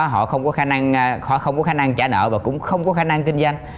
họ không có khả năng trả nợ và cũng không có khả năng kinh doanh